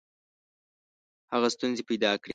هغه ستونزي پیدا کړې.